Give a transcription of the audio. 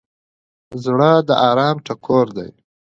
زړه د ارام ټکور دی.